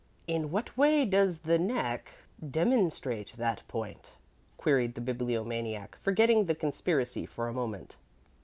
"In what way does the neck demonstrate that point?" queried the Bibliomaniac, forgetting the conspiracy for a moment.